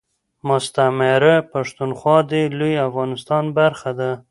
مستعمره پښتونخوا دي لوي افغانستان برخه ده